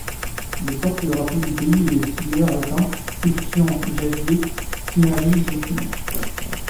Le porte-drapeau du pays est le skieur alpin Cristian Javier Simari Birkner.